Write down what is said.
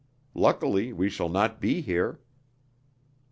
Luckily we shall not be here!"